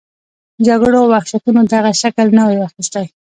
جګړو او وحشتونو دغه شکل نه وای اخیستی.